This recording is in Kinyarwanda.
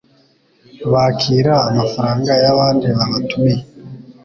bakira amafaranga y'abandi babatumiye